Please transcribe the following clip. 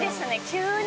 急に。